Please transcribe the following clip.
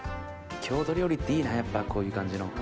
郷土料理っていいなやっぱこういう感じの。